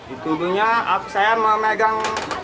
itu punya saya memegang